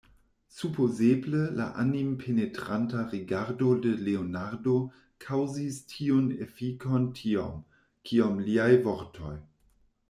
Supozeble la animpenetranta rigardo de Leonardo kaŭzis tiun efikon tiom, kiom liaj vortoj.